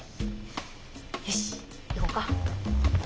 よし行こか。